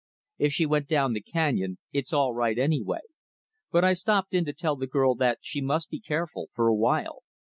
If she went down the canyon, it's all right anyway. But I stopped in to tell the girl that she must be careful, for a while.